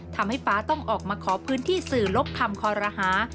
ฟ้าต้องออกมาขอพื้นที่สื่อลบคำคอรหา